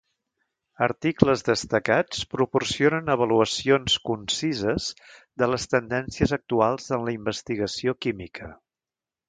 Articles destacats proporcionen avaluacions concises de les tendències actuals en la investigació química.